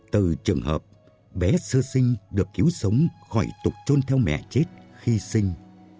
từ trường hợp bé sơ sinh được cứu sống khỏi tục trôn theo mẹ chết khi sinh